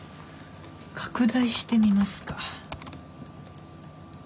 拡大してみますか。